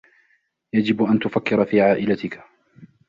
يجِب أن تفكر في عائلتكَ.